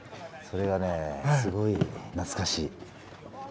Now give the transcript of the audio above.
それがねえすごい懐かしい。